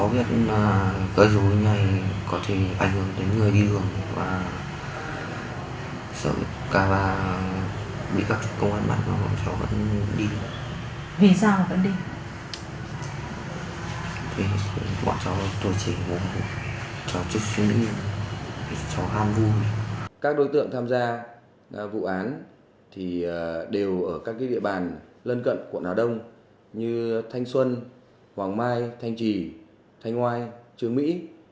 vụ án đều ở các địa bàn lân cận quận hà đông như thanh xuân hoàng mai thanh trì thanh oai trường mỹ